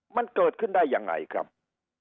มันเกิดขึ้นได้ยังไงครับ